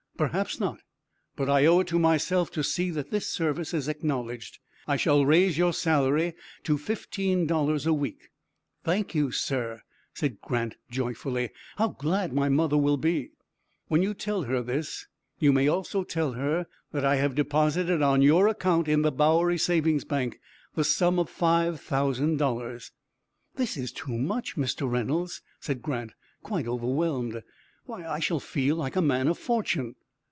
"Perhaps not; but I owe it to myself to see that this service is acknowledged. I shall raise your salary to fifteen dollars a week." "Thank you, sir," said Grant, joyfully. "How glad my mother will be." "When you tell her this, you may also tell her that I have deposited on your account in the Bowery Savings Bank the sum of five thousand dollars." "This is too much, Mr. Reynolds," said Grant, quite overwhelmed. "Why, I shall feel like a man of fortune."